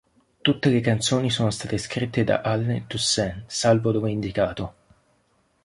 Tutte le canzoni sono state scritte da Allen Toussaint, salvo dove indicato